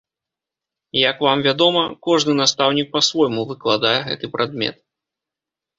Як вам вядома, кожны настаўнік па-свойму выкладае гэты прадмет.